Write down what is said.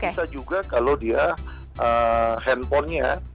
bisa juga kalau dia handphonenya